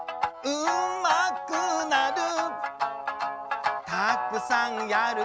「うまくなる」